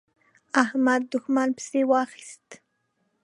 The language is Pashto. احمد؛ دوښمن پسې واخيست.